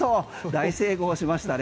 大成功しましたね。